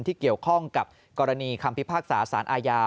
ที่เกี่ยวข้องกับกรณีคำพิพากษาสารอาญา